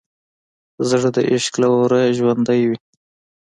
زړه د عشق له اوره ژوندی وي.